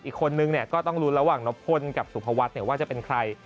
อีกคนนึงก็ต้องลุ้นระหว่างนพลกับสุภวัฒน์ว่าจะเป็นใคร